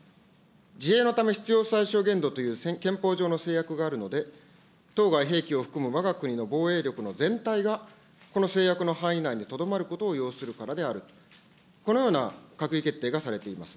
自衛のため、必要最小限度という憲法上の制約があるので、当該兵器を含むわが国の防衛力の全体がこの制約の範囲内にとどまることを要するからであると、このような閣議決定がされています。